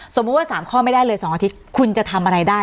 สมมุติว่า๓ข้อไม่ได้เลย๒อาทิตย์คุณจะทำอะไรได้